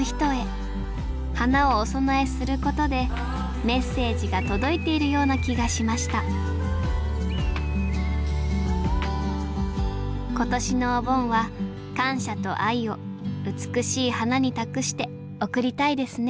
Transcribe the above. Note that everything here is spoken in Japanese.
花をお供えすることでメッセージが届いているような気がしました今年のお盆は感謝と愛を美しい花に託して送りたいですね